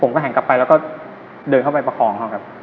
หันกลับไปแล้วก็เดินเข้าไปประคองเขาครับ